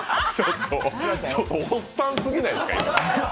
ちょっとおっさんすぎないですか？